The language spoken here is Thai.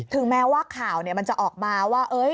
แม้ว่าข่าวมันจะออกมาว่า